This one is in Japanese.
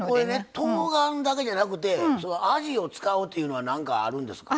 とうがんだけじゃなくてあじを使うっていうのはなんか、あるんですか？